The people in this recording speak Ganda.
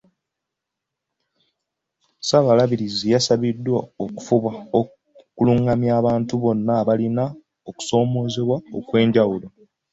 Ssaabalabirizi yasabiddwa okufuba okuluŋŋamya abantu bonna abalina okusoomoozebwa okw'enjawulo.